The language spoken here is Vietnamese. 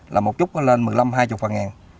là một chút nó lên một mươi năm hai mươi phần ngàn